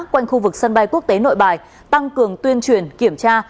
quanh khu vực sân bay quốc tế nội bài tăng cường tuyên truyền kiểm tra